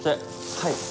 はい。